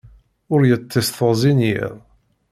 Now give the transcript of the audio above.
Ur yeṭṭis teɣzi n yiḍ.